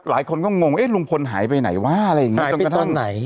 หลายคนก็งงเอ๊ะลุงพลหายไปไหนวะอะไรอย่างนี้หายไปตอนไหน